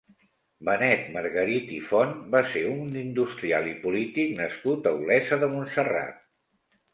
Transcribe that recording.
Benet Margarit i Font va ser un industrial i polític nascut a Olesa de Montserrat.